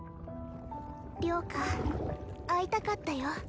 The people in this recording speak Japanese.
涼楓会いたかったよ。